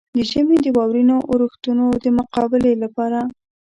د ژمي د واورينو اورښتونو د مقابلې لپاره.